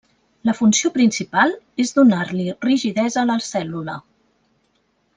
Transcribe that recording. La funció principal és donar-li rigidesa a la cèl·lula.